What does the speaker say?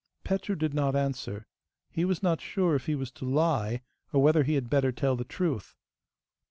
Petru did not answer. He was not sure if he was to lie, or whether he had better tell the truth.